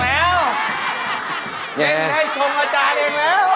เห็นให้ชงอาจารย์เองแล้ว